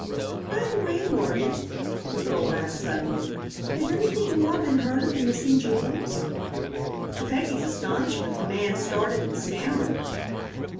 "By the way, Morgan," the girl asked, suddenly, "has anything more been heard of the missing jewels?" To Peggy's astonishment the man started and stammered.